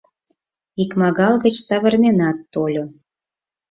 Икмагал гыч савырненат тольо.